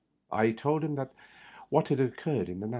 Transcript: I told him what had occurred in the night.